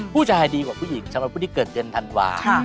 ผู้ชายดีกว่าผู้หญิงสำหรับผู้ที่เกิดเดือนธันวา